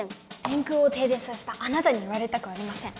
電空を停電させたあなたに言われたくありません！